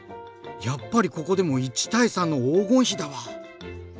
やっぱりここでも１対３の黄金比だわ！